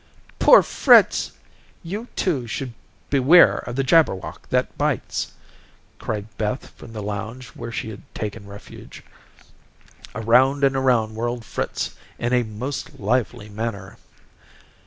"Poor Fritz! You, too, should beware of the Jabberwock that bites," cried Beth from the lounge where she had taken refuge. Around and around whirled Fritz in a most lively manner.